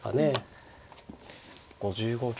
５５秒。